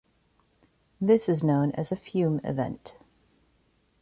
This is known as a fume event.